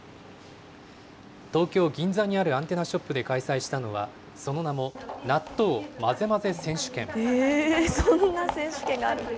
東京・銀座にあるアンテナショップで開催したのは、その名も、そんな選手権がある。